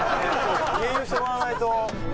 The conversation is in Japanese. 経由してもらわないと。